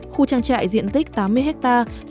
khu trang trại diện tích tám mươi hectare